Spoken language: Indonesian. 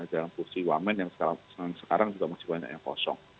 dalam kursi wamen yang sekarang juga masih banyak yang kosong